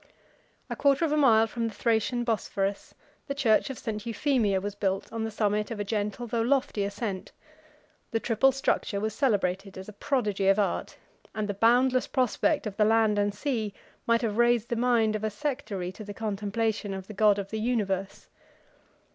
A quarter of a mile from the Thracian Bosphorus, the church of St. Euphemia was built on the summit of a gentle though lofty ascent: the triple structure was celebrated as a prodigy of art, and the boundless prospect of the land and sea might have raised the mind of a sectary to the contemplation of the God of the universe.